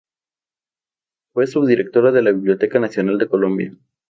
Fue subdirectora de la Biblioteca Nacional de Colombia.